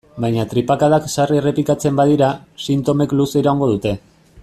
Baina tripakadak sarri errepikatzen badira, sintomek luze iraungo dute.